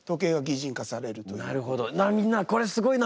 なあみんなこれすごいな。